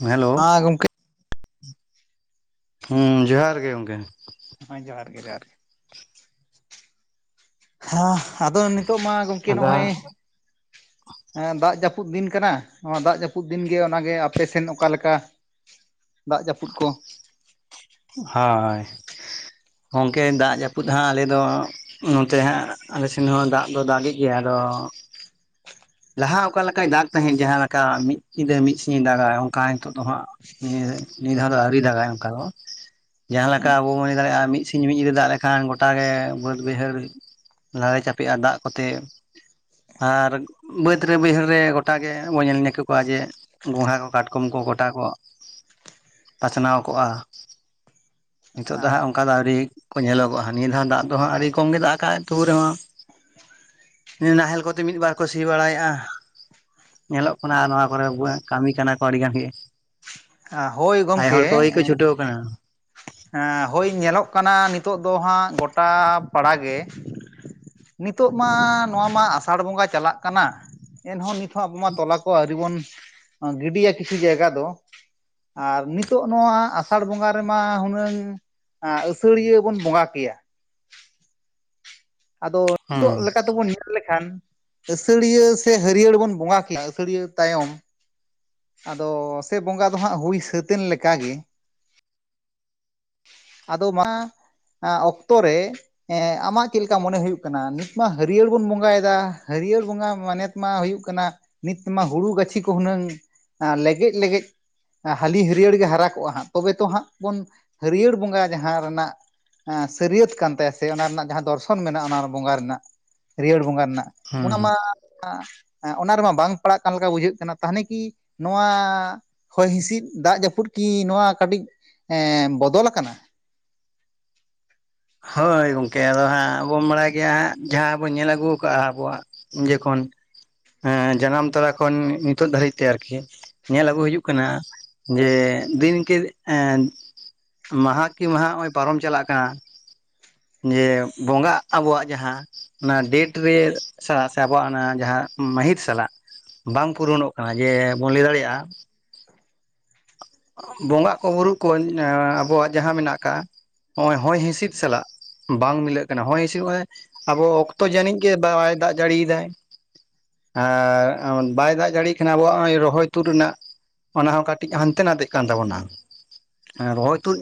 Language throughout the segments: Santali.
ᱦᱮᱞᱳ᱾ ᱦᱮᱸ ᱜᱚᱢᱠᱮ ᱦᱩᱸ ᱡᱚᱦᱟᱨ ᱜᱮ ᱜᱚᱝᱠᱮ ᱦᱮᱸ ᱡᱚᱦᱟᱨ ᱜᱮ ᱡᱚᱦᱟᱨ ᱜᱮ᱾ ᱦᱮᱸ ᱟᱫᱚ ᱱᱤᱛᱚᱜ ᱢᱟ ᱜᱚᱢᱠᱮ ᱟᱫᱚ ᱱᱚᱜᱼᱚᱭ [unintelligible] ᱫᱟᱜ ᱡᱟᱯᱩᱫ ᱫᱤᱱ ᱠᱟᱱᱟ ᱱᱚᱣᱟ ᱫᱟᱜ ᱡᱟᱹᱯᱩᱫ ᱫᱤᱱ ᱜᱮ ᱚᱱᱟᱜᱮ ᱟᱯᱮ ᱮᱥᱱ ᱚᱠᱟᱞᱮᱠᱟ? ᱫᱟᱜ ᱡᱟᱹᱯᱩᱫ ᱠᱚ ᱦᱳᱭ ᱜᱚᱝᱠᱮ ᱫᱟᱜ ᱡᱟᱹᱯᱩᱫ ᱦᱟᱸᱜ ᱟᱞᱮ ᱫᱚ ᱱᱚᱛᱮ ᱦᱟᱸᱜ ᱟᱞᱮᱥᱮᱱ ᱦᱚᱸ ᱫᱟᱜ ᱫᱚ ᱫᱟᱜᱮᱜ ᱜᱮᱭᱟ, ᱟᱫᱚ ᱞᱟᱦᱟ ᱚᱠᱟ ᱞᱮᱠᱟᱭ ᱫᱟᱜ ᱛᱟᱦᱮᱸᱫ ᱡᱟᱦᱟᱸᱮ ᱞᱮᱠᱟ ᱢᱤᱫ ᱧᱤᱫᱟᱹ ᱢᱤᱫ ᱥᱤᱧᱮ ᱫᱟᱜᱟ, ᱚᱱᱠᱟ ᱱᱤᱛᱚᱜ ᱫᱚ ᱦᱟᱸᱜ ᱱᱤᱭᱟᱹ, ᱱᱤᱭᱟᱹ ᱫᱷᱟᱣ ᱫᱚ ᱟᱹᱣᱨᱤ ᱫᱟᱜᱟᱭ ᱚᱱᱠᱟ ᱫᱚ᱾ ᱡᱟᱦᱟᱸ ᱞᱮᱠᱟ ᱟᱵᱚ ᱵᱚᱱ ᱞᱟᱹᱭ ᱫᱟᱲᱮᱭᱟᱜᱼᱟ ᱢᱤᱫ ᱥᱤᱧ ᱢᱤᱫ ᱨᱮ ᱫᱟᱜ ᱞᱮᱠᱷᱟᱱ, ᱜᱚᱴᱟᱜᱮ ᱵᱟᱹᱫᱽ ᱵᱟᱹᱭᱦᱟᱹᱲ ᱞᱟᱲᱮ ᱪᱟᱯᱮᱜᱼᱟ ᱫᱟᱜ ᱠᱚᱛᱮ, ᱟᱨ ᱵᱟᱹᱫᱽ ᱨᱮ ᱵᱟᱹᱭᱦᱟᱹᱲ ᱨᱮ ᱜᱚᱴᱟ ᱜᱮᱵᱚᱱ ᱧᱮᱞᱧᱮ ᱠᱮ ᱠᱚᱣᱟ ᱡᱮ ᱜᱚᱸᱲᱦᱟ ᱠᱚ ᱠᱟᱴᱠᱚᱢ ᱠᱚ ᱜᱳᱴᱟ ᱠᱚ ᱯᱪᱱᱟᱣ ᱠᱚᱜᱼᱟ᱾ ᱱᱤᱛᱚᱜ ᱫᱚ ᱦᱟᱸᱜ ᱟᱪᱪᱷᱟ ᱚᱱᱠᱟ ᱫᱚ ᱟᱹᱣᱨᱤ ᱠᱚ ᱧᱮᱞᱚᱜᱚᱜᱼᱟ ᱱᱤᱭᱟᱹ ᱫᱷᱟᱣ ᱫᱟᱜ ᱫᱚ ᱦᱟᱸᱜ ᱟᱹᱰᱤ ᱠᱚᱢ ᱜᱮ ᱫᱟᱜ ᱠᱟᱜ ᱛᱟᱹᱣ ᱨᱮᱦᱚᱸ ᱱᱟᱦᱮᱞ ᱠᱚᱛᱮ ᱢᱤᱫ ᱵᱟᱨ ᱠᱚ ᱥᱤ ᱵᱟᱲᱟᱭᱮᱫᱼᱟ, ᱧᱮᱞᱚᱜ ᱠᱟᱱᱟ ᱟᱨ ᱱᱚᱣᱟ ᱠᱚᱨᱮ ᱠᱟᱹᱢᱤ ᱠᱟᱱᱟ ᱠᱚ ᱟᱹᱰᱤ ᱜᱟᱱ ᱜᱮ᱾ ᱦᱳᱭ ᱟᱭᱳ ᱜᱚᱢᱠᱮ ᱦᱚᱲ ᱠᱚᱜ ᱜᱮ ᱠᱚ ᱪᱷᱩᱴᱟᱹᱣ ᱠᱟᱱᱟ᱾ ᱮᱸ ᱦᱳᱭ ᱧᱮᱞᱚᱜ ᱠᱟᱱᱟ ᱱᱤᱛᱚᱜ ᱫᱚ ᱦᱟᱸᱜ ᱜᱳᱚᱴᱟ ᱯᱟᱲᱟᱜᱮ ᱱᱤᱛᱚᱜ ᱢᱟ ᱱᱚᱣᱟ ᱢᱟ ᱟᱥᱟᱲ ᱵᱚᱸᱜᱟ ᱪᱟᱞᱟᱜ ᱠᱟᱱᱟ᱾ ᱮᱱᱦᱚᱸ ᱱᱤᱛᱦᱚᱸ ᱟᱵᱚ ᱢᱟ ᱛᱚᱞᱟ ᱠᱚ ᱟᱹᱣᱨᱤ ᱵᱚᱱ ᱜᱤᱰᱤᱭᱟ ᱠᱤᱪᱷᱩ ᱡᱟᱭᱜᱟ ᱫᱚ, ᱟᱨ ᱱᱤᱛᱚᱜ ᱱᱚᱣᱟ ᱟᱥᱟᱲ ᱵᱚᱸᱜᱟ ᱨᱮᱢᱟ ᱦᱩᱱ ᱟᱹᱥᱟᱹᱲᱤᱭᱟᱹ ᱵᱚᱱ ᱵᱚᱸᱜᱟ ᱠᱮᱭᱟ᱾ ᱟᱫᱚ ᱦᱩᱸ ᱱᱤᱛᱚᱜ ᱞᱮᱠᱟ ᱛᱮᱵᱚᱱ ᱧᱮᱞ ᱞᱮᱠᱷᱟᱱ ᱟᱹᱥᱟᱹᱲᱤᱭᱟᱹ ᱥᱮ ᱦᱟᱹᱨᱭᱟᱹᱲ ᱵᱚᱱ ᱵᱚᱸᱜᱟ ᱠᱮᱭᱟ ᱟᱹᱥᱟᱹᱲᱤᱭᱟᱹ ᱛᱟᱭᱚᱢ᱾ ᱟᱫᱚ ᱥᱮ ᱵᱚᱸᱜᱟ ᱫᱚ ᱦᱟᱸᱜ ᱦᱩᱭ ᱥᱟᱹᱛᱮᱱ ᱞᱮᱠᱟᱜᱮ᱾ ᱟᱫᱚ ᱢᱟ ᱚᱠᱛᱚ ᱨᱮ, ᱟᱢᱟᱜ ᱪᱮᱫ ᱞᱮᱠᱟ ᱢᱚᱱᱮ ᱦᱩᱭᱩᱜ ᱠᱟᱱᱟ, ᱱᱤᱛ ᱢᱟ ᱦᱟᱹᱨᱭᱟᱹᱲ ᱵᱚᱱ ᱵᱚᱸᱜᱟᱭᱮᱫᱟ, ᱦᱟᱹᱨᱭᱟᱹᱲ ᱵᱚᱸᱜᱟ ᱢᱟᱱᱮᱛ ᱢᱟ ᱦᱩᱭᱩᱜ ᱠᱟᱱᱟ, ᱱᱤᱛ ᱢᱟ ᱦᱩᱲᱩ ᱜᱟᱹᱪᱷᱤ ᱠᱚ ᱦᱩᱱᱟᱹᱝ ᱞᱮᱜᱮᱡ-ᱞᱮᱜᱮᱡ ᱦᱟᱹᱞᱤ ᱦᱟᱹᱨᱭᱟᱹᱲ ᱜᱮ ᱦᱟᱨᱟ ᱠᱚᱜᱼᱟ ᱦᱟᱸᱜ, ᱛᱚᱵᱮ ᱛᱚ ᱦᱟᱸᱜ ᱵᱚᱱ ᱦᱟᱹᱨᱭᱟᱹᱲ ᱵᱚᱸᱜᱟ ᱡᱟᱦᱟᱸ ᱨᱮᱱᱟᱜ ᱥᱟᱹᱨᱭᱟᱹᱛ ᱠᱟᱱ ᱛᱟᱭᱟ, ᱥᱮ ᱚᱱᱟ ᱨᱮᱱᱟᱜ ᱡᱟᱦᱟᱸ ᱫᱚᱨᱥᱚᱱ ᱠᱷᱚᱱ ᱢᱮᱱᱟᱜᱼᱟ ᱚᱱᱟ ᱵᱚᱸᱜᱟ ᱨᱮᱱᱟᱜ, ᱦᱟᱹᱲᱭᱟᱹᱲ ᱵᱚᱸᱜᱟ ᱨᱮᱱᱟᱜ, ᱦᱩᱸ ᱚᱱᱟ ᱢᱟ ᱦᱩᱸ ᱚᱱᱟ ᱨᱮᱢᱟ ᱵᱟᱝ ᱯᱟᱲᱟᱜ ᱠᱟᱱ ᱞᱮᱠᱟ ᱵᱩᱡᱷᱟᱹᱜ ᱠᱟᱱᱟ, ᱛᱟᱦᱚᱞᱮ ᱠᱤ ᱱᱚᱣᱟ ᱦᱚᱭ ᱦᱸᱤᱥᱤᱫ ᱫᱟᱜ ᱡᱟᱹᱯᱩᱫ ᱠᱤ ᱱᱚᱣᱟ ᱠᱟᱹᱴᱤᱡ ᱮ ᱵᱚᱫᱚᱞ ᱠᱟᱱᱟ? ᱦᱳᱭ ᱜᱚᱝᱠᱮ ᱟᱫᱚ ᱦᱟᱸᱜ ᱟᱵᱚᱱ ᱵᱟᱲᱟᱭ ᱜᱮᱭᱟ ᱦᱟᱸᱜ ᱡᱟᱦᱟᱸ ᱵᱚᱱ ᱧᱮᱞ ᱟᱹᱜᱩ ᱠᱟᱜᱼᱟ, ᱟᱵᱚᱣᱟᱜ ᱡᱚᱠᱷᱚᱱᱸ ᱮᱸ ᱡᱟᱱᱟᱢ ᱛᱚᱨᱟ ᱠᱷᱚᱱ ᱱᱤᱛᱚᱜ ᱫᱷᱟᱹᱨᱤᱡ ᱛᱮ ᱟᱨᱠᱤ᱾ ᱧᱮᱞ ᱟᱹᱜᱩ ᱦᱩᱭᱩᱜ ᱠᱟᱱᱟ᱾ ᱡᱮ ᱫᱤᱱ ᱠᱮ ᱮᱸ ᱢᱟᱦᱟ ᱠᱮ ᱢᱟᱦᱟ ᱦᱚᱜᱼᱚᱭ ᱯᱟᱨᱚᱢ ᱪᱟᱞᱟᱜ ᱠᱟᱱᱟ᱾ ᱡᱮ ᱵᱚᱸᱜᱟ ᱟᱵᱚᱣᱟᱜ ᱡᱟᱦᱟᱸ ᱚᱱᱟ ᱰᱮᱴ ᱨᱮ ᱥᱟᱞᱟᱜ ᱥᱮ ᱟᱵᱚᱣᱟᱜ ᱚᱱᱟ ᱡᱟᱦᱟᱸ ᱢᱟᱹᱦᱤᱛ ᱥᱟᱞᱟᱜ ᱵᱟᱝ ᱯᱩᱨᱚᱱᱚᱜ ᱠᱟᱱᱟ ᱡᱮ ᱵᱚᱱ ᱞᱟᱹᱭ ᱫᱟᱲᱮᱭᱟᱜᱼᱟ᱾ ᱵᱚᱸᱜᱟᱜ ᱠᱚᱵᱩᱨᱩᱜ ᱠᱚ ᱟᱵᱚᱣᱟᱜ ᱡᱟᱦᱟᱸ ᱢᱮᱱᱟᱜ ᱟᱠᱟᱜᱼᱟ ᱾ ᱦᱚᱜᱼᱚᱭ ᱦᱚᱭ ᱦᱤᱸᱥᱤᱫ ᱥᱟᱞᱟᱜ ᱵᱟᱝ ᱢᱤᱞᱟᱹᱜ ᱠᱟᱱᱟ᱾ ᱦᱚᱭ ᱦᱤᱸᱥᱤᱫ ᱢᱟᱱᱮ ᱟᱵᱚ ᱚᱠᱛᱚ ᱡᱟᱹᱱᱤᱡ ᱜᱮ ᱵᱟᱭ ᱫᱟᱜ ᱡᱟᱹᱲᱤᱭ ᱫᱟᱭ᱾ ᱟᱨ ᱵᱟᱭ ᱫᱟᱜ ᱡᱟᱲᱤᱭ ᱠᱷᱟᱱ ᱟᱵᱚᱣᱟᱜ ᱨᱚᱦᱚᱭ ᱛᱩᱫ ᱨᱮᱱᱟᱜ᱾ ᱚᱱᱟ ᱦᱚᱸ ᱠᱟᱹᱴᱤᱡ ᱦᱟᱱ ᱦᱟᱱᱛᱮ ᱱᱟᱛᱮᱜ ᱠᱟᱱ ᱛᱟᱵᱚᱱᱟ᱾ ᱨᱚᱦᱚᱭ ᱛᱳᱫ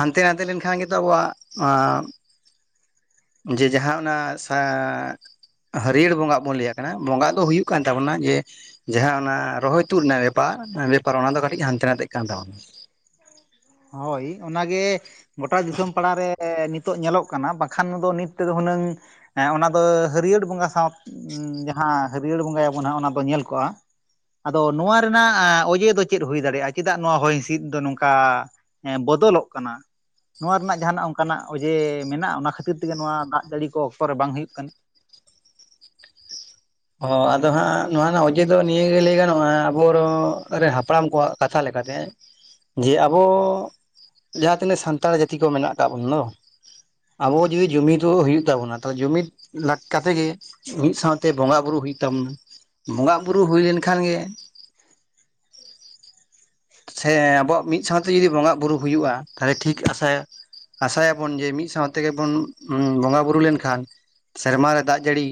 ᱦᱟᱱᱛᱮ ᱱᱟᱛᱮ ᱞᱮᱱᱠᱷᱟᱱ ᱜᱮᱛᱚ, ᱟᱵᱚᱣᱟᱜ ᱡᱮ ᱡᱟᱦᱟᱸ ᱚᱱᱟ ᱥᱟᱻ ᱦᱟᱹᱨᱭᱟᱹᱲ ᱵᱚᱸᱜᱟᱜ ᱵᱚᱱ ᱞᱟᱹᱭ ᱠᱟᱱᱟ᱾ ᱵᱚᱸᱜᱟᱜ ᱫᱚ ᱦᱩᱭᱩᱜ ᱠᱟᱱ ᱛᱟᱵᱚᱱᱟ ᱡᱮ, ᱡᱟᱦᱟᱸ ᱚᱱᱟ ᱨᱚᱦᱚᱭ ᱛᱩᱫ ᱨᱮᱱᱟᱜ ᱵᱮᱯᱟᱨ, ᱵᱮᱯᱟᱨ ᱚᱱᱟ ᱫᱚ ᱠᱟᱹᱴᱤᱡ ᱦᱟᱱᱛᱮ ᱱᱟᱛᱮᱜ ᱠᱟᱱ ᱛᱟᱵᱚᱱᱟ᱾ ᱦᱳᱭ ᱚᱱᱟᱜᱮ ᱜᱚᱴᱟ ᱫᱤᱥᱚᱢ ᱯᱟᱲᱟ ᱨᱮ ᱱᱤᱛ ᱱᱤᱛᱚᱜ ᱧᱮᱞᱚᱜ ᱠᱟᱱᱟ ᱵᱟᱠᱷᱟᱱ ᱫᱚ ᱱᱤᱛ ᱛᱮᱫᱚ ᱦᱩᱱᱟᱹᱝ, ᱚᱱᱟ ᱫᱚ ᱦᱟᱹᱨᱭᱟᱹᱲ ᱵᱚᱸᱜᱟ ᱥᱟᱶ ᱡᱟᱦᱟᱸ ᱦᱟᱹᱨᱭᱟᱹᱲ ᱵᱚᱸᱜᱟᱭᱟᱵᱚᱱ ᱦᱟᱸᱜ ᱚᱱᱟ ᱫᱚ ᱧᱮᱞ ᱠᱚᱜᱼᱟ, ᱟᱫᱚ ᱱᱚᱣᱟ ᱨᱮᱱᱟᱜ ᱚᱡᱮ ᱫᱚ ᱪᱮᱫ ᱦᱳᱭ ᱫᱟᱲᱮᱭᱟᱜᱼᱟ, ᱪᱮᱫᱟᱜ ᱱᱚᱣᱟ ᱦᱚᱭ ᱦᱤᱸᱥᱤᱫ ᱫᱚ ᱱᱚᱝᱠᱟ᱾ ᱦᱮᱸ ᱵᱚᱫᱚᱞᱚᱜ ᱠᱟᱱᱟ᱾ ᱱᱚᱣᱟ ᱨᱮᱱᱟᱜ ᱡᱟᱦᱟᱱᱟᱜ ᱚᱱᱠᱟ ᱱᱟᱜ ᱚᱡᱮ ᱢᱮᱱᱟᱜᱼᱟ ᱾ ᱚᱱᱟ ᱠᱷᱟᱹᱛᱤᱨ ᱛᱮᱜᱮ ᱱᱚᱣᱟ ᱫᱟᱜ ᱡᱟᱹᱲᱤ ᱠᱚ ᱚᱠᱛᱚ ᱨᱮ ᱵᱟᱝ ᱦᱩᱭᱩᱜ ᱠᱟᱱᱟ᱾ ᱚ ᱟᱫᱚ ᱦᱟᱸᱜ ᱱᱚᱣᱟ ᱨᱮᱱᱟᱜ ᱚᱡᱮ ᱫᱚ ᱱᱤᱭᱟᱹᱜᱮ ᱞᱟᱹᱭ ᱜᱟᱱᱚᱜᱼᱟ ᱾ ᱟᱵᱚᱨ ᱦᱟᱯᱲᱟᱢ ᱠᱚᱣᱟᱜ ᱠᱟᱛᱷᱟ ᱞᱮᱠᱟᱛᱮ᱾ ᱡᱮ ᱟᱵᱚ ᱡᱟᱦᱟᱸ ᱛᱤᱱᱟᱹᱜ ᱥᱟᱱᱛᱟᱲ ᱡᱟᱹᱛᱤ ᱠᱚ ᱢᱮᱱᱟᱜ ᱟᱠᱟᱜ ᱵᱚᱱ ᱫᱚ᱾ ᱟᱵᱚ ᱡᱩᱫᱤ ᱡᱩᱢᱤᱫ ᱦᱩᱭᱩᱜ ᱛᱟᱵᱚᱱᱟ᱾ ᱛᱟᱦᱚᱞᱮ ᱡᱩᱢᱤᱫ ᱠᱟᱛᱮ ᱜᱮ ᱢᱤᱫ ᱥᱟᱶᱛᱮ ᱵᱚᱸᱜᱟ ᱵᱩᱨᱩ ᱦᱩᱭᱩᱜ ᱛᱟᱢ᱾ ᱵᱚᱸᱜᱟ ᱵᱩᱨᱩ ᱦᱩᱭ ᱞᱮᱱ ᱠᱷᱟᱱ ᱜᱮ ᱥᱮ ᱟᱵᱚᱣᱟᱜ ᱢᱤᱫ ᱥᱟᱶᱛᱮ ᱡᱩᱫᱤ ᱵᱚᱸᱜᱟᱜᱼᱵᱩᱨᱩ ᱦᱩᱭᱩᱜᱼᱟ ᱾ ᱛᱟᱦᱚᱞᱮ ᱴᱷᱤᱠ ᱟᱥᱮ ᱟᱥᱟᱭ ᱟᱵᱚᱱ ᱡᱮ ᱢᱤᱫ ᱥᱟᱶ ᱛᱮᱜᱮ ᱵᱚᱱ ᱵᱚᱸᱜᱟ ᱵᱩᱨᱩ ᱞᱮᱱᱠᱷᱟᱱ ᱥᱮᱨᱢᱟ ᱨᱮ ᱫᱟᱜ ᱡᱟᱹᱲᱤ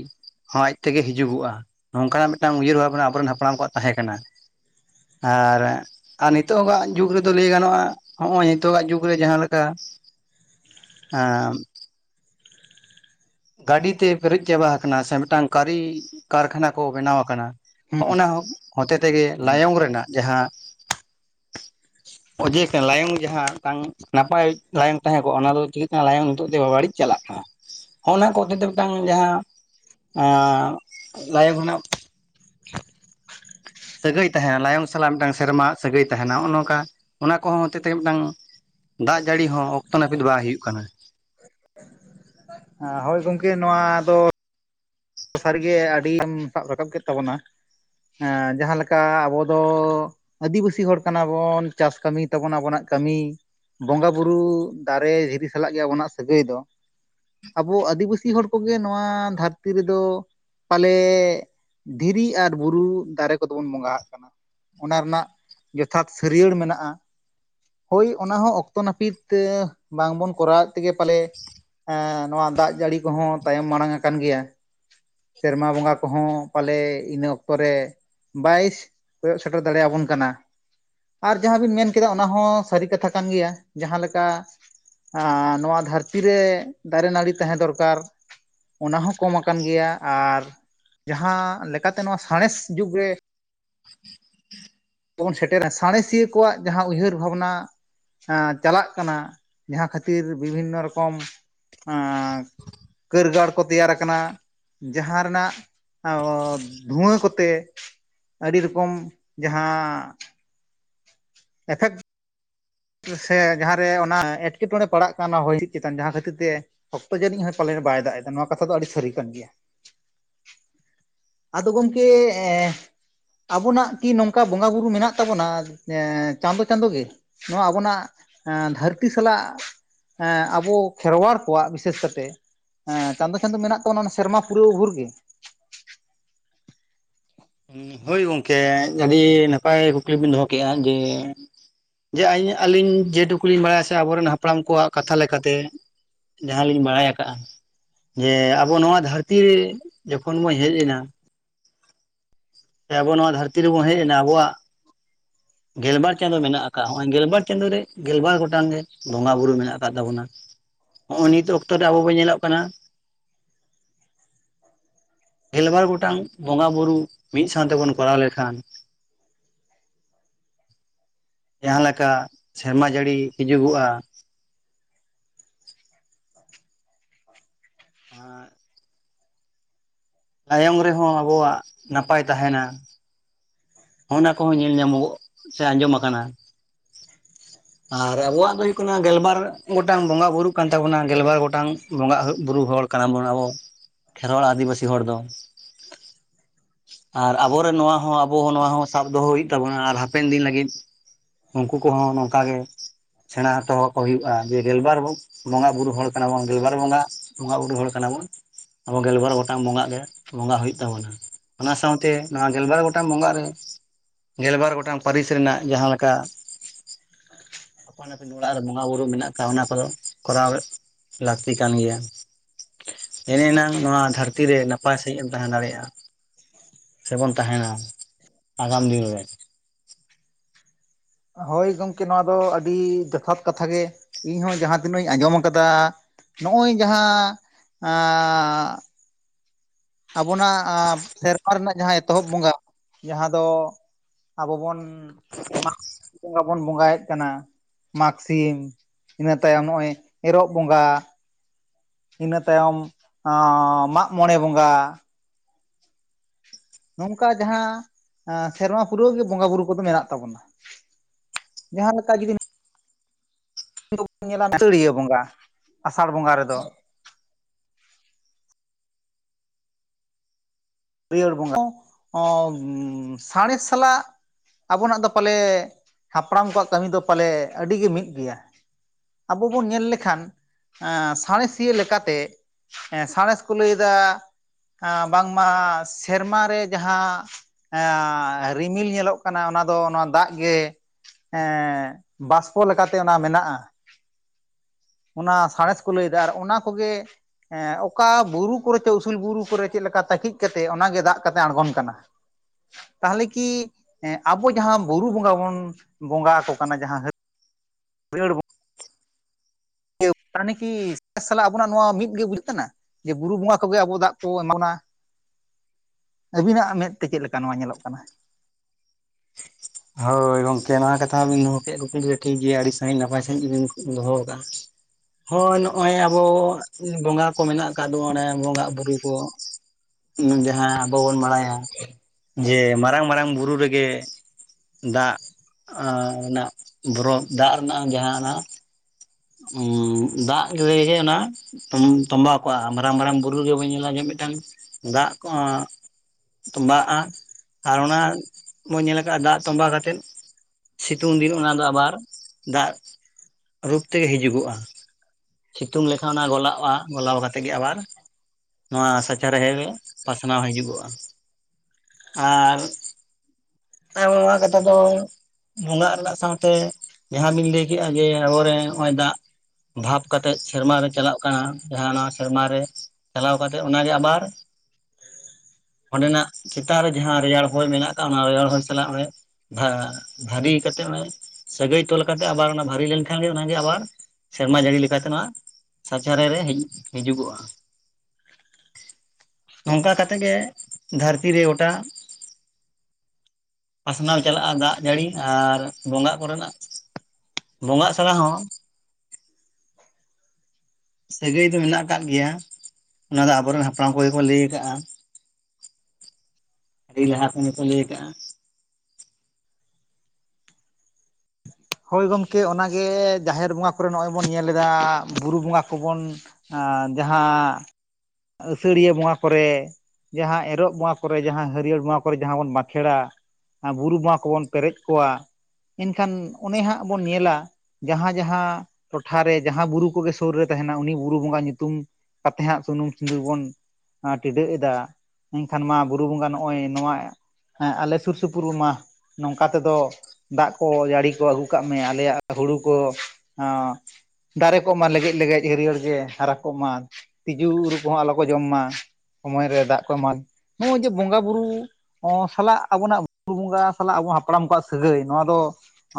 ᱦᱚᱸ ᱟᱡ ᱛᱮᱜᱮ ᱦᱤᱡᱩᱜᱚᱜᱼᱟ᱾ ᱱᱚᱝᱠᱟ ᱱᱟᱜ ᱢᱮᱫᱴᱟᱝ ᱩᱭᱦᱟᱹᱨ ᱵᱷᱟᱵᱽᱱᱟ ᱟᱵᱚᱨᱮᱱ ᱦᱟᱯᱲᱟᱢ ᱠᱚᱣᱟᱜ ᱛᱟᱦᱮᱸ ᱠᱟᱱᱟ᱾ ᱟᱨ ᱟᱨ ᱱᱤᱛᱚᱜᱟᱜ ᱡᱩᱜ ᱨᱮᱫᱚ ᱞᱟᱹᱭ ᱜᱟᱱᱚᱜᱼᱟ ᱾ ᱦᱚᱜᱼᱚᱭ ᱱᱤᱛᱚᱜᱟᱜ ᱡᱩᱜ ᱨᱮ ᱡᱟᱦᱟᱸ ᱞᱮᱠᱟ ᱟᱢ ᱜᱟᱹᱰᱤᱛᱮ ᱯᱮᱨᱮᱡ ᱪᱟᱵᱟ ᱟᱠᱟᱱᱟ ᱥᱮ, ᱢᱤᱫᱴᱟᱝ ᱠᱟᱹᱨᱤ ᱠᱟᱨᱠᱷᱟᱱᱟ ᱠᱚ ᱵᱮᱱᱟᱣ ᱟᱠᱟᱱᱟ᱾ ᱦᱩᱸ ᱦᱚᱜᱼᱱᱟ ᱦᱚᱛᱮᱛᱮ ᱜᱮ ᱞᱟᱭᱚᱝ ᱨᱮᱱᱟᱜ ᱡᱟᱦᱟᱸ ᱚᱡᱮ ᱞᱟᱭᱚᱝ ᱡᱟᱦᱟᱸ ᱢᱮᱫᱴᱟᱝ ᱱᱟᱯᱟᱭ ᱞᱟᱭᱚᱝ ᱛᱟᱦᱮᱸ ᱠᱚᱜᱼᱟ᱾ ᱚᱱᱟ ᱫᱚ ᱪᱤᱠᱟᱹᱜ ᱠᱟᱱᱟ ᱞᱟᱭᱚᱝ ᱱᱤᱛᱚᱜ ᱫᱚ ᱵᱟᱹᱲᱤᱡ ᱪᱟᱞᱟᱜ ᱠᱟᱱᱟ᱾ ᱦᱚᱜ ᱱᱟ ᱠᱚ ᱦᱚᱛᱮᱛᱮ ᱢᱮᱫᱴᱟᱝ ᱡᱟᱦᱟᱸ ᱮᱸ ᱞᱟᱭᱚᱝ ᱨᱮᱱᱟᱜ ᱥᱟᱹᱜᱟᱹᱭ ᱛᱟᱦᱮᱱᱟ ᱞᱟᱭᱚᱝ ᱥᱟᱞᱟᱜ ᱢᱤᱫᱴᱟᱝ ᱥᱮᱨᱢᱟ ᱥᱟᱹᱜᱟᱹᱭ ᱛᱟᱦᱮᱱᱟ᱾ ᱱᱚᱜᱼᱚ ᱱᱚᱝᱠᱟ ᱚᱱᱟ ᱠᱚᱦᱚᱸ ᱦᱚᱛᱮᱛᱮ ᱢᱮᱫᱴᱟᱝ ᱫᱟᱜ ᱡᱟᱹᱲᱤ ᱦᱚᱸ ᱚᱠᱛᱚ ᱱᱟᱹᱯᱤᱛ ᱵᱟᱭ ᱦᱩᱭᱩᱜ ᱠᱟᱱᱟ᱾ ᱦᱳᱭ ᱜᱚᱝᱠᱮ, ᱱᱚᱣᱟ ᱫᱚ ᱥᱟᱹᱨᱤ ᱜᱮ ᱟᱹᱰᱤᱢ ᱥᱟᱵ ᱨᱟᱠᱟᱵ ᱠᱮᱫ ᱛᱟᱵᱚᱱᱟ ᱾ ᱮᱸ ᱡᱟᱦᱟᱸ ᱞᱮᱠᱟ ᱟᱵᱚ ᱫᱚ ᱟᱹᱫᱤᱵᱟᱹᱥᱤ ᱦᱚᱲ ᱠᱟᱱᱟ ᱵᱚ᱾ ᱪᱟᱥ ᱠᱟᱹᱢᱤ ᱛᱟᱵᱚᱱ ᱟᱵᱚᱱᱟᱜ ᱠᱟᱹᱢᱤ᱾ ᱵᱚᱸᱜᱟ, ᱵᱩᱨᱩ, ᱫᱟᱨᱮ, ᱫᱷᱤᱨᱤ ᱥᱟᱞᱟᱜ ᱜᱮ ᱟᱵᱚᱱᱟᱜ ᱥᱟᱹᱜᱟᱹᱭ ᱫᱚ᱾ ᱟᱵᱚ ᱟᱹᱫᱤᱵᱟᱹᱥᱤ ᱦᱚᱲ ᱠᱚᱜᱮ ᱱᱚᱣᱟ ᱫᱷᱟᱹᱨᱛᱤ ᱨᱮᱫᱚ ᱫᱚ ᱾ ᱯᱟᱞᱮ ᱫᱷᱤᱨᱤ ᱟᱨ ᱵᱩᱨᱩ, ᱫᱟᱨᱮ ᱠᱚᱫᱚ ᱵᱚᱱ ᱵᱚᱸᱜᱟ ᱟᱜ ᱠᱟᱱᱟ᱾ ᱚᱱᱟ ᱨᱮᱱᱟᱜ ᱡᱚᱛᱷᱟᱛ ᱥᱟᱹᱨᱭᱟᱹᱲ ᱢᱮᱱᱟᱜᱼᱟ᱾ ᱦᱳᱭ, ᱚᱱᱟ ᱦᱚᱸ ᱚᱠᱛᱚ ᱱᱟᱹᱯᱤᱛ ᱵᱟᱝ ᱵᱚᱱ ᱠᱚᱨᱟᱣ ᱮᱫ ᱛᱮᱜᱮ ᱯᱟᱞᱮ ᱮᱸ ᱱᱚᱣᱟ ᱫᱟᱜ ᱡᱟᱹᱲᱤ ᱠᱚᱦᱚᱸ ᱛᱟᱭᱚᱢ ᱢᱟᱲᱟᱝ ᱟᱠᱟᱱ ᱜᱮᱭᱟ᱾ ᱥᱮᱨᱢᱟ ᱵᱚᱸᱜᱟ ᱠᱚᱦᱚᱸ ᱯᱟᱞᱮ ᱤᱱᱟᱹ ᱚᱠᱛᱚ ᱨᱮ ᱵᱟᱭᱤᱥ [inaudible] ᱠᱚᱭᱚᱜ ᱥᱮᱴᱮᱨ ᱫᱟᱲᱮ ᱟᱵᱚᱱ ᱠᱟᱱᱟ᱾ ᱟᱨ ᱡᱟᱦᱟᱸ ᱵᱤᱱ ᱢᱮᱱ ᱠᱮᱫᱟ ᱚᱱᱟ ᱦᱚᱸ ᱥᱟᱹᱨᱤ ᱠᱟᱛᱷᱟ ᱠᱟᱱ ᱜᱮᱭᱟ᱾ ᱡᱟᱦᱟᱸ ᱞᱮᱠᱟ ᱟᱸ ᱱᱚᱣᱟ ᱫᱷᱟᱹᱨᱛᱤ ᱨᱮ ᱫᱟᱨᱮ ᱱᱟᱹᱲᱤ ᱛᱟᱦᱮᱸ ᱫᱚᱨᱠᱟᱨ᱾ ᱚᱱᱟ ᱦᱚᱸ ᱠᱚᱢ ᱠᱟᱱ ᱜᱮᱭᱟ᱾ ᱟᱨ ᱡᱟᱦᱟᱸ ᱞᱮᱠᱟᱛᱮ ᱱᱚᱣᱟ ᱥᱟᱬᱮᱥ ᱡᱩᱜᱽ ᱨᱮ [inaudible] ᱫᱚᱵᱚᱱ ᱥᱮᱴᱮᱨᱚᱜᱼᱟ ᱥᱟᱬᱮᱥᱤᱭᱟᱹ ᱠᱚᱣᱟᱜ ᱡᱟᱦᱟᱸ ᱩᱭᱦᱟᱹᱨ ᱵᱷᱟᱵᱽᱱᱟ ᱮᱸ ᱪᱟᱞᱟᱜ ᱠᱟᱱᱟ ᱡᱟᱦᱟᱸ ᱠᱷᱟᱹᱛᱤᱨ ᱵᱤᱵᱷᱤᱱᱱᱚ ᱨᱚᱠᱚᱢ ᱟᱸ ᱠᱟᱹᱨᱜᱟᱲ ᱠᱚ ᱛᱮᱭᱟᱨ ᱟᱠᱟᱱᱟ ᱡᱟᱦᱟᱸ ᱨᱮᱱᱟᱜ ᱚ ᱫᱷᱩᱣᱟᱹ ᱠᱚᱛᱮ ᱟᱹᱰᱤ ᱨᱚᱠᱚᱢ ᱦᱩᱸ ᱮᱯᱮᱠᱴ [inaudible] ᱥᱮ ᱡᱟᱦᱟᱸᱨᱮ ᱚᱱᱟ ᱮᱸᱴᱠᱮᱴᱚᱬᱮ ᱯᱟᱲᱟᱜ ᱠᱟᱱᱟ ᱦᱚᱭ ᱦᱤᱸᱥᱤᱫ ᱪᱮᱛᱟᱱ ᱡᱟᱦᱟᱸ ᱠᱷᱟᱹᱛᱤᱨ ᱛᱮ ᱚᱠᱛᱚ ᱡᱟᱹᱱᱤᱡ ᱦᱚᱸ ᱯᱟᱞᱮᱱ ᱵᱟᱭ ᱫᱟᱜ ᱮᱫᱟ ᱱᱚᱣᱟ ᱠᱟᱛᱷᱟ ᱫᱚ ᱟᱹᱰᱤ ᱥᱟᱹᱨᱤ ᱠᱟᱱ ᱜᱮᱭᱟ [inaudible] ᱟᱫᱚ ᱜᱚᱢᱠᱮ ᱮᱸ ᱟᱵᱚᱱᱟᱜ ᱠᱤ ᱱᱚᱝᱠᱟ ᱵᱚᱸᱜᱟ ᱵᱩᱨᱩ ᱢᱮᱱᱟᱜ ᱛᱟᱵᱚᱱᱟ ᱪᱟᱸᱫᱚ ᱪᱟᱸᱫᱳ ᱜᱮ ᱱᱚᱣᱟ ᱟᱵᱚᱱᱟᱜ ᱮᱸ ᱫᱷᱟᱹᱨᱛᱤ ᱥᱟᱞᱟᱜ ᱮᱸ ᱟᱵᱚ ᱠᱷᱮᱨᱣᱟᱲ ᱠᱚᱣᱟᱜ ᱵᱤᱥᱮᱥ ᱠᱟᱛᱮ ᱮᱸ ᱪᱟᱸᱫᱚ ᱪᱟᱸᱫᱚ ᱢᱮᱱᱟᱜ ᱛᱟᱵᱚᱱᱟ ᱥᱮᱨᱢᱟ ᱯᱩᱨᱟᱹᱣ ᱵᱷᱩᱨ ᱜᱮ᱾ ᱦᱳᱭ ᱜᱚᱝᱠᱮ ᱟᱹᱰᱤ ᱱᱟᱯᱟᱭ ᱠᱩᱠᱞᱤ ᱵᱤᱱ ᱫᱚᱦᱚ ᱠᱮᱜᱼᱟ ᱡᱮ ᱡᱮ ᱤᱧ ᱟᱞᱤᱧ ᱡᱮ ᱴᱩᱠᱩᱞᱤᱧ ᱵᱟᱲᱟᱭᱟ ᱥᱮ ᱟᱵᱚᱨᱮᱱ ᱦᱟᱯᱲᱟᱢ ᱠᱚᱣᱟᱜ ᱠᱟᱛᱷᱟ ᱞᱮᱠᱟᱛᱮ ᱡᱟᱦᱟᱸᱞᱤᱧ ᱵᱟᱲᱟᱭ ᱟᱠᱟᱜᱼᱟ ᱡᱮ ᱟᱵᱚ ᱱᱚᱣᱟ ᱫᱷᱟᱹᱨᱛᱤ ᱨᱮ ᱡᱚᱠᱷᱚᱱ ᱵᱚᱱ ᱦᱮᱡ ᱮᱱᱟ ᱡᱮ ᱟᱵᱚ ᱱᱚᱣᱟ ᱫᱷᱟᱹᱨᱛᱤ ᱨᱮᱵᱚᱱ ᱦᱮᱡ ᱮᱱᱟ ᱟᱵᱚᱣᱟᱜ ᱜᱮᱞᱵᱟᱨ ᱪᱟᱸᱫᱳ ᱢᱮᱱᱟᱜ ᱟᱠᱟᱜᱼᱟ ᱱᱚᱜᱼᱚᱭ ᱜᱮᱞᱵᱟᱨ ᱪᱟᱸᱫᱳ ᱨᱮ ᱜᱮᱞᱵᱟᱨ ᱜᱚᱴᱟᱝ ᱜᱮ ᱵᱚᱸᱜᱟ ᱵᱩᱨᱩ ᱢᱮᱱᱟᱜ ᱟᱠᱟᱫ ᱛᱟᱵᱚᱱᱟ ᱱᱚᱜᱼᱚᱭ ᱱᱤᱛ ᱚᱠᱛᱚ ᱨᱮ ᱟᱵᱚ ᱵᱚᱱ ᱧᱮᱞᱚᱜ ᱠᱟᱱᱟ ᱜᱮᱞᱵᱟᱨ ᱜᱚᱴᱟᱝ ᱵᱚᱸᱜᱟ ᱵᱩᱨᱩ ᱢᱤᱫ ᱥᱟᱶ ᱛᱮᱵᱚᱱ ᱠᱚᱨᱟᱣ ᱞᱮᱠᱷᱟᱱ ᱡᱟᱦᱟᱸ ᱞᱮᱠᱟ ᱥᱮᱨᱢᱟ ᱡᱟᱹᱲᱤ ᱦᱤᱡᱩᱜᱚᱜᱼᱟ ᱟᱨ ᱛᱟᱭᱚᱢ ᱨᱮᱦᱚᱸ ᱟᱵᱚᱣᱟᱜ ᱱᱟᱯᱟᱭ ᱛᱟᱦᱮᱱᱟ ᱚᱱᱟ ᱠᱚᱦᱚᱸ ᱧᱮᱞ ᱧᱟᱢᱚᱜᱚᱜ ᱥᱮ ᱟᱸᱡᱚᱢ ᱟᱠᱟᱱᱟ ᱟᱨ ᱟᱵᱚᱣᱟᱜ ᱫᱚ ᱦᱩᱭᱩᱜ ᱠᱟᱱᱟ ᱜᱮᱞᱵᱟᱨ ᱜᱚᱴᱟᱝ ᱵᱚᱸᱜᱟ ᱵᱩᱨᱩᱜ ᱠᱟᱱ ᱛᱟᱵᱚᱱᱟ ᱜᱮᱞᱵᱟᱨ ᱜᱚᱴᱟᱝ ᱵᱚᱸᱜᱟ ᱵᱩᱨᱩ ᱦᱚᱲ ᱠᱟᱱᱟ ᱵᱚᱱ ᱟᱵᱚ ᱠᱷᱮᱨᱣᱟᱞ ᱟᱹᱫᱤᱵᱟᱹᱥᱤ ᱦᱚᱲ ᱫᱚ ᱟᱨ ᱟᱵᱚᱨᱮᱱ ᱱᱚᱣᱟ ᱦᱚᱸ ᱟᱵᱚ ᱱᱚᱣᱟ ᱦᱚᱸ ᱥᱟᱵ ᱫᱚᱦᱚ ᱦᱩᱭᱩᱜ ᱛᱟᱵᱚᱱᱟ ᱟᱨ ᱦᱟᱯᱮᱱ ᱫᱤᱱ ᱞᱟᱹᱜᱤᱫ ᱩᱱᱠᱩ ᱠᱚᱦᱚᱸ ᱱᱚᱝᱠᱟ ᱜᱮ ᱥᱮᱬᱟ ᱦᱚᱴᱚ ᱟᱠᱚ ᱦᱩᱭᱩᱜᱼᱟ ᱡᱮ ᱜᱮᱞᱵᱟᱨ ᱵᱚᱸᱜᱟ ᱵᱩᱨᱩ ᱦᱚᱲ ᱠᱟᱱᱟᱵᱚᱱ ᱜᱮᱞᱵᱟᱨ ᱵᱚᱸᱜᱟ ᱵᱚᱸᱜᱟ ᱵᱩᱨᱩ ᱦᱚᱲ ᱠᱟᱱᱟ ᱵᱚᱱ ᱟᱵᱚ ᱜᱮᱞᱵᱟᱨ ᱜᱚᱴᱟᱝ ᱵᱚᱸᱜᱟ ᱜᱮ ᱵᱚᱸᱜᱟ ᱦᱩᱭᱩᱜ ᱛᱟᱵᱚᱱᱟ ᱚᱱᱟ ᱥᱟᱶᱛᱮ ᱱᱚᱣᱟ ᱜᱮᱞᱵᱟᱨ ᱜᱚᱴᱟᱝ ᱵᱚᱸᱜᱟ ᱨᱮ ᱜᱮᱞᱵᱟᱨ ᱜᱚᱴᱟᱝ ᱯᱟᱹᱨᱤᱥ ᱨᱮᱱᱟᱜ ᱡᱟᱦᱟᱸ ᱞᱮᱠᱟ ᱟᱯᱟᱱ ᱟᱹᱯᱤᱱ ᱚᱲᱟᱜ ᱨᱮ ᱵᱚᱸᱜᱟ ᱵᱩᱨᱩ ᱢᱮᱱᱟᱜ ᱟᱠᱟᱜᱼᱟ ᱚᱱᱟ ᱠᱚᱫᱚ ᱠᱚᱨᱟᱣ ᱞᱟᱹᱠᱛᱤ ᱠᱟᱱ ᱜᱮᱭᱟ ᱛᱮᱱ ᱮᱱᱟᱝ ᱱᱚᱣᱟ ᱫᱷᱟᱹᱨᱛᱤ ᱨᱮ ᱱᱟᱯᱟᱭ ᱥᱟᱦᱤᱡ ᱮᱢ ᱛᱟᱦᱮᱸ ᱫᱟᱲᱮᱭᱟᱜᱼᱟ [inaudible] ᱛᱮᱵᱚᱱ ᱛᱟᱦᱮᱱᱟ ᱟᱜᱟᱢ ᱫᱤᱱ ᱨᱮ ᱦᱳᱭ ᱜᱚᱢᱠᱮ ᱱᱚᱣᱟ ᱫᱚ ᱟᱹᱰᱤ ᱡᱚᱛᱷᱟᱛ ᱠᱟᱛᱷᱟ ᱜᱮ ᱤᱧᱦᱚᱸ ᱡᱟᱦᱟᱸ ᱛᱤᱱᱟᱹᱜ ᱤᱧ ᱟᱸᱡᱚᱢ ᱠᱟᱫᱟ ᱱᱚᱜᱼᱚᱭ ᱡᱟᱦᱟᱸ ᱟᱸᱻ ᱟᱵᱚᱱᱟᱜ ᱥᱮᱨᱢᱟ ᱨᱮᱱᱟᱜ ᱡᱟᱦᱟᱸ ᱮᱛᱚᱦᱚᱵ ᱵᱚᱸᱜᱟ ᱡᱟᱦᱟᱸ ᱫᱚ ᱟᱵᱚ ᱵᱚᱱ ᱢᱟᱜᱽ ᱵᱚᱸᱜᱟ ᱵᱚᱱ ᱵᱚᱸᱜᱟᱭᱮᱜ ᱠᱟᱱᱟ ᱢᱟᱜᱽ ᱥᱤᱢ ᱤᱱᱟᱹ ᱛᱟᱭᱚᱢ ᱱᱚᱜᱼᱚᱭ ᱮᱨᱚᱜ ᱵᱚᱸᱜᱟ ᱤᱱᱟᱹ ᱛᱟᱭᱚᱢ ᱢᱟᱜᱽ ᱢᱚᱬᱮ ᱵᱚᱸᱜᱟ ᱱᱚᱝᱠᱟ ᱡᱟᱦᱟᱸ ᱥᱮᱨᱢᱟ ᱯᱩᱨᱟᱹᱣ ᱜᱮ ᱵᱚᱸᱜᱟ ᱵᱩᱨᱩ ᱠᱚᱫᱚ ᱢᱮᱱᱟᱜ ᱛᱟᱵᱚᱱᱟ ᱡᱟᱦᱟᱸ ᱞᱮᱠᱟ ᱡᱩᱫᱤ ᱧᱮᱞᱟ ᱟᱹᱛᱟᱹᱲᱤᱭᱟᱹ ᱵᱚᱸᱜᱟ ᱟᱥᱟᱲ ᱵᱚᱸᱜᱟ ᱨᱮᱫᱚ ᱦᱟᱹᱨᱭᱟᱹᱲ ᱵᱚᱸᱜᱟ, ᱥᱟᱬᱮᱥ ᱥᱟᱞᱟᱜ ᱟᱵᱚᱱᱟᱜ ᱫᱚ ᱯᱟᱞᱮ ᱦᱟᱯᱲᱟᱢ ᱠᱚᱣᱟᱜ ᱠᱟᱹᱢᱤ ᱫᱚ ᱯᱟᱞᱮ ᱟᱹᱰᱤ ᱜᱮ ᱢᱤᱫ ᱜᱮᱭᱟ ᱟᱵᱚ ᱵᱚᱱ ᱧᱮᱞ ᱞᱮᱠᱷᱟᱱ ᱥᱟᱬᱮᱥᱤᱭᱟᱹ ᱞᱮᱠᱟᱛᱮ ᱥᱟᱬᱮᱥ ᱠᱚ ᱞᱟᱹᱭᱫᱟ ᱵᱟᱝᱢᱟ ᱥᱮᱨᱢᱟ ᱨᱮ ᱡᱟᱦᱟᱸ ᱨᱤᱢᱤᱞ ᱧᱮᱞᱚᱜ ᱠᱟᱱᱟ ᱚᱱᱟ ᱫᱚ ᱱᱚᱣᱟ ᱫᱟᱜ ᱜᱮ ᱮᱸ ᱵᱟᱥᱯᱚ ᱞᱮᱠᱟᱛᱮ ᱚᱱᱟ ᱢᱮᱱᱟᱜᱼᱟ ᱚᱱᱟ ᱥᱟᱬᱮᱥ ᱠᱚ ᱞᱟᱹᱭᱫᱟ ᱟᱨ ᱚᱱᱟ ᱠᱚᱜᱮ ᱦᱮᱸ ᱚᱠᱟ ᱵᱩᱨᱩ ᱠᱚᱨᱮ ᱪᱚ ᱩᱥᱩᱞ ᱵᱩᱨᱩ ᱠᱚᱨᱮ ᱪᱮᱫ ᱞᱮᱠᱟ ᱛᱟᱹᱠᱤᱡ ᱠᱟᱛᱮ ᱚᱱᱟᱜᱮ ᱫᱟᱜ ᱠᱟᱛᱮ ᱟᱬᱜᱚᱱ ᱠᱟᱱᱟ ᱛᱟᱦᱚᱞᱮ ᱠᱤ ᱟᱵᱚ ᱡᱟᱦᱟᱸ ᱵᱩᱨᱩ ᱵᱚᱸᱜᱟ ᱵᱚᱱ ᱵᱚᱸᱜᱟ ᱟᱠᱚ ᱠᱟᱱᱟ ᱡᱟᱦᱟᱸ ᱦᱟᱹ [unintelligible] ᱯᱨᱟᱱᱤ ᱠᱤ [unintelligible] ᱥᱟᱞᱟᱜ ᱟᱵᱚᱱᱟᱜ ᱱᱚᱣᱟ ᱢᱤᱫ ᱜᱮ ᱵᱩᱡᱩᱜ ᱠᱟᱱᱟ ᱡᱮ ᱵᱩᱨᱩ ᱵᱚᱸᱜᱟ ᱠᱚᱜᱮ ᱟᱵᱚ ᱫᱟᱜ ᱠᱚ ᱮᱢᱟ ᱵᱚᱱᱟ ᱟᱹᱵᱤᱱᱟᱜ ᱢᱮᱫ ᱛᱮ ᱪᱮᱫ ᱞᱮᱠᱟ ᱱᱚᱣᱟ ᱧᱮᱞᱚᱜ ᱠᱟᱱᱟ ᱦᱳᱭ ᱜᱚᱝᱠᱮ ᱱᱚᱣᱟ ᱠᱟᱛᱷᱟ ᱦᱚᱸᱵᱤᱱ ᱫᱚᱦᱚ ᱠᱮᱜ-ᱟ ᱠᱩᱠᱞᱤ ᱵᱤᱱ ᱫᱚ ᱴᱷᱤᱠ ᱜᱮᱭᱟ ᱟᱹᱰᱤ ᱥᱟᱦᱤᱡ ᱱᱟᱯᱟᱭ ᱥᱟᱦᱤᱡ ᱜᱮᱵᱤᱱ ᱫᱚᱦᱚ ᱠᱟᱜᱼᱟ ᱦᱳᱭ ᱱᱚᱜᱼᱚᱭ ᱟᱵᱚ ᱵᱚᱸᱜᱟ ᱠᱚ ᱢᱮᱱᱟᱜ ᱠᱟᱫ ᱫᱚ ᱚᱱᱮ ᱵᱚᱸᱜᱟ ᱵᱩᱨᱩ ᱠᱚ ᱡᱟᱦᱟᱸ ᱟᱵᱚ ᱵᱚᱱ ᱵᱟᱲᱟᱭᱟ ᱡᱮ ᱢᱟᱨᱟᱝ ᱢᱟᱨᱟᱝ ᱵᱩᱨᱩ ᱨᱮᱜᱮ ᱫᱟᱜ ᱨᱮᱱᱟᱜ ᱵᱚᱨᱚᱯᱷ ᱫᱟᱜ ᱨᱮᱱᱟᱜ ᱡᱟᱦᱟᱸ ᱚᱱᱟ ᱫᱟᱜ ᱨᱮᱜᱮ ᱚᱱᱟ ᱛᱚᱸᱵᱟ ᱠᱚᱜᱼᱟ ᱢᱟᱨᱟᱝ ᱢᱟᱨᱟᱝ ᱵᱩᱨᱩ ᱨᱮᱜᱮ ᱵᱚᱱ ᱧᱮᱞᱟ ᱡᱮ ᱢᱤᱫᱴᱟᱱ ᱫᱟᱜ ᱠᱚ ᱛᱚᱸᱵᱟᱜᱼᱟ ᱟᱨ ᱚᱱᱟ ᱵᱚᱱ ᱧᱮᱞ ᱠᱟᱜᱼᱟ ᱫᱟᱜ ᱛᱚᱸᱵᱟ ᱠᱟᱛᱮᱫ ᱥᱤᱛᱩᱝ ᱫᱤᱱ ᱚᱱᱟ ᱫᱚ ᱟᱵᱟᱨ ᱫᱟᱜ ᱨᱩᱯ ᱛᱮᱜᱮ ᱦᱤᱡᱩᱜᱚᱜᱼᱟ᱾ ᱥᱤᱛᱩᱝ ᱞᱮᱠᱷᱟᱱ ᱚᱱᱟ ᱜᱚᱞᱟᱜᱼᱟ ᱜᱚᱞᱟᱣ ᱠᱟᱛᱮ ᱜᱮ ᱟᱵᱟᱨ ᱱᱚᱣᱟ ᱥᱟᱪᱟᱨᱮᱫ ᱨᱮ ᱯᱟᱥᱱᱟᱣ ᱦᱤᱡᱩᱜᱚᱜᱼᱟ ᱟᱨ ᱱᱚᱣᱟ ᱠᱟᱛᱷᱟ ᱫᱚ ᱵᱚᱸᱜᱟᱜ ᱨᱮᱱᱟᱜ ᱥᱟᱶᱛᱮ ᱡᱟᱦᱟᱸ ᱵᱤᱱ ᱞᱟᱹᱭ ᱠᱮᱜᱼᱟ ᱡᱮ ᱟᱵᱚᱨᱮ ᱱᱚᱜ ᱚᱭ ᱫᱟᱜ ᱵᱷᱟᱵᱽ ᱠᱟᱛᱮᱜ ᱥᱮᱨᱢᱟᱨ ᱨᱮ ᱪᱟᱞᱟᱜ ᱠᱟᱱᱟ, ᱡᱟᱦᱟᱸ ᱱᱚᱣᱟ ᱥᱮᱨᱢᱟ ᱨᱮ ᱪᱟᱞᱟᱣ ᱠᱟᱛᱮᱜ ᱚᱱᱟᱜᱮ ᱟᱵᱟᱨ ᱚᱸᱰᱮᱱᱟᱜ ᱪᱮᱛᱟᱱ ᱨᱮ ᱡᱟᱦᱟᱸ ᱨᱮᱭᱟᱲ ᱦᱚᱭ ᱢᱮᱱᱟᱜ ᱟᱠᱟᱜ ᱚᱱᱟ ᱨᱮᱭᱟᱲ ᱦᱚᱭ ᱥᱟᱞᱟᱜ ᱚᱸᱰᱮ ᱵᱷᱟ ᱵᱷᱟᱹᱨᱤ ᱠᱟᱛᱮ ᱚᱱᱮ ᱥᱟᱹᱜᱟᱹᱭ ᱛᱚᱞ ᱠᱟᱛᱮᱜ ᱟᱵᱟᱨ ᱚᱱᱟ ᱵᱷᱟᱹᱨᱤ ᱞᱮᱱᱠᱷᱟᱱ ᱜᱮ ᱚᱱᱟᱜᱮ ᱟᱵᱟᱨ ᱥᱮᱨᱢᱟ ᱡᱟᱹᱲᱤ ᱞᱮᱠᱟᱛᱮ ᱱᱚᱣᱟ ᱥᱟᱪᱟᱨᱮ ᱨᱮ ᱦᱤᱡᱩᱜᱚᱜᱼᱟ᱾ [inaudible] ᱱᱚᱝᱠᱟ ᱠᱟᱛᱮᱫ ᱜᱮ ᱫᱷᱟᱹᱨᱛᱤ ᱨᱮ ᱜᱳᱴᱟ ᱯᱟᱥᱱᱟᱣ ᱪᱟᱞᱟᱜᱼᱟ ᱫᱟᱜ ᱡᱟᱹᱲᱤ ᱟᱨ ᱵᱚᱸᱜᱟᱜ ᱠᱚᱨᱮᱱᱟᱜ ᱵᱚᱸᱜᱟᱜ ᱥᱟᱞᱟᱜ ᱦᱚᱸ ᱥᱟᱹᱜᱟᱹᱭ ᱫᱚ ᱢᱮᱱᱟᱜ ᱟᱠᱟᱫ ᱜᱮᱭᱟ ᱚᱱᱟ ᱫᱚ ᱟᱵᱚᱨᱮᱱ ᱦᱟᱯᱲᱟᱢ ᱠᱚᱜᱮ ᱠᱚ ᱞᱟᱹᱭ ᱠᱟᱜᱼᱟ᱾ ᱟᱹᱰᱤ ᱞᱟᱦᱟ ᱠᱷᱚᱱ ᱜᱮ ᱠᱚ ᱞᱟᱹᱭ ᱟᱠᱟᱫᱼᱟ᱾ ᱦᱳᱭ ᱜᱚᱢᱠᱮ ᱚᱱᱟᱜᱮ ᱡᱟᱦᱮᱨ ᱵᱚᱸᱜᱟ ᱠᱚᱨᱮ ᱱᱚᱜᱼᱚᱭ ᱵᱚᱱ ᱧᱮᱞ ᱮᱫᱟ, ᱵᱩᱨᱩ ᱵᱚᱸᱜᱟ ᱠᱚᱵᱚᱱ ᱟᱸ ᱡᱟᱦᱟᱸ ᱟᱹᱥᱟᱹᱲᱤᱭᱟᱹ ᱵᱚᱸᱜᱟ ᱠᱚᱨᱮ ᱡᱟᱦᱟᱸ ᱮᱨᱚᱜ ᱵᱚᱸᱜᱟ ᱠᱚᱨᱮ ᱡᱟᱦᱟᱸ ᱦᱟᱹᱨᱭᱟᱹᱲ ᱵᱚᱸᱜᱟ ᱠᱚᱨᱮ ᱡᱟᱦᱟᱸ ᱵᱚᱱ ᱵᱟᱸᱠᱷᱮᱲᱟ ᱵᱩᱨᱩ ᱵᱚᱸᱜᱟ ᱠᱚᱵᱚᱱ ᱯᱮᱨᱮᱡ ᱠᱚᱣᱟ ᱮᱱᱠᱷᱟᱱ ᱚᱱᱮ ᱦᱟᱸᱜ ᱵᱚᱱ ᱧᱮᱞᱟ, ᱡᱟᱦᱟᱸ ᱡᱟᱦᱟᱸ ᱴᱚᱴᱷᱟᱨᱮ ᱡᱟᱦᱟᱸ ᱵᱩᱨᱩ ᱠᱚᱜᱮ ᱥᱩᱨ ᱨᱮ ᱛᱟᱦᱮᱱᱟ ᱩᱱᱤ ᱵᱩᱨᱩ ᱵᱚᱸᱜᱟ ᱧᱩᱛᱩᱢ ᱠᱟᱛᱮ ᱦᱟᱸᱜ ᱥᱩᱱᱩᱢ ᱥᱤᱸᱫᱩᱨ ᱵᱚᱱ ᱴᱤᱰᱟᱹᱜ ᱮᱫᱟ ᱮᱱᱠᱷᱟᱱ ᱢᱟ ᱵᱩᱨᱩ ᱵᱚᱸᱜᱟ ᱱᱚᱜᱼᱚᱭ ᱱᱚᱣᱟ ᱦᱮᱸ ᱟᱞᱮ ᱥᱩᱨ ᱥᱩᱯᱩᱨ ᱨᱮ ᱢᱟ ᱱᱚᱝᱠᱟ ᱛᱮᱫᱚ ᱫᱟᱜ ᱠᱚ ᱡᱟᱹᱲᱤ ᱫᱚ ᱟᱹᱜᱩ ᱠᱟᱜ ᱢᱮ ᱟᱞᱮᱭᱟᱜ ᱦᱩᱲᱩ ᱠᱚ ᱟᱸ ᱫᱟᱨᱮ ᱠᱚ ᱢᱟ ᱞᱮᱜᱮᱡ ᱞᱮᱜᱮᱡ ᱦᱟᱹᱨᱭᱟᱹᱲ ᱜᱮ ᱦᱟᱨᱟ ᱠᱚᱜ ᱢᱟ ᱛᱤᱡᱩ ᱠᱚᱦᱚᱸ ᱟᱞᱚ ᱠᱚ ᱡᱚᱢ ᱢᱟ, ᱥᱚᱢᱚᱭ ᱨᱮ ᱫᱟᱜ ᱠᱚ ᱮᱢᱟᱱ ᱱᱚᱜᱼᱚᱭ ᱡᱮ ᱵᱚᱸᱜᱟ ᱵᱩᱨᱩ ᱚᱸ ᱥᱟᱞᱟᱜ ᱟᱵᱚᱱᱟᱜ ᱵᱩᱨᱩ ᱵᱚᱸᱜᱟ ᱥᱟᱞᱟᱜ ᱟᱵᱚ ᱦᱟᱯᱲᱟᱢ ᱠᱚᱣᱟᱜ ᱥᱟᱹᱜᱟᱹᱭ, ᱱᱚᱣᱟ ᱫᱚ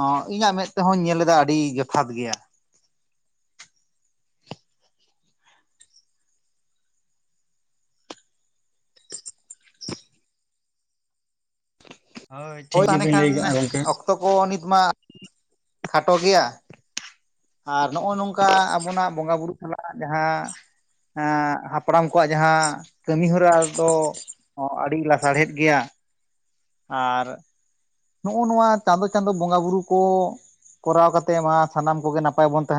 ᱚᱸ ᱤᱧᱟᱹᱜ ᱢᱮᱫ ᱛᱮᱦᱚᱧ ᱧᱮᱞ ᱮᱫᱟ ᱟᱹᱰᱤ ᱡᱚᱛᱷᱟᱛ ᱜᱮᱭᱟ᱾ ᱴᱷᱤᱠ ᱦᱳᱭ ᱛᱟᱦᱚᱞᱮ ᱜᱮᱵᱤᱱ ᱠᱷᱟᱱ ᱞᱟᱹᱭ ᱠᱟᱜᱼᱟ ᱜᱚᱢᱠᱮ ᱚᱠᱛᱚ ᱠᱚ ᱱᱤᱛ ᱢᱟ ᱠᱷᱟᱴᱚ ᱜᱮᱭᱟ, ᱟᱨ ᱱᱚᱜᱼᱚ ᱱᱚᱝᱠᱟ ᱟᱵᱚᱱᱟᱜ ᱵᱚᱸᱜᱟ ᱵᱩᱨᱩ ᱥᱟᱞᱟᱜ ᱡᱟᱦᱟᱸ ᱮᱸ ᱦᱟᱯᱲᱟᱢ ᱠᱚᱣᱟᱜ ᱡᱟᱦᱟᱸ ᱠᱟᱹᱢᱤ ᱦᱚᱨᱟ ᱫᱚ ᱦᱚᱸ ᱟᱹᱰᱤ ᱞᱟᱥᱟᱲᱦᱮᱫ ᱜᱮᱭᱟ ᱾ ᱟᱨ ᱱᱚᱜᱼᱚ ᱱᱚᱣᱟ ᱪᱟᱸᱫᱚ ᱪᱟᱸᱫᱚ ᱵᱚᱸᱜᱟ ᱵᱩᱨᱩ ᱠᱚ, ᱠᱚᱨᱟᱣ ᱠᱟᱛᱮ ᱢᱟ ᱥᱟᱱᱟᱢ ᱠᱚᱜᱮ ᱱᱟᱯᱟᱭ ᱵᱚᱱ ᱛᱟᱦᱮ